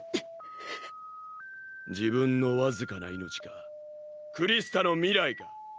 自分の僅かな命かクリスタの未来か